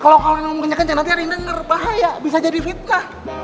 kalo kalian ngomong kenyek kenyek nanti ada yang denger bahaya bisa jadi fitnah